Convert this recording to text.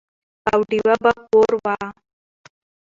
او ډېوه به کور وه،